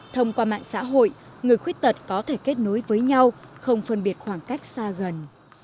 thông qua mạng xã hội người khuyết tật có thể kết nối với nhau không phân biệt khoảng cách xa gần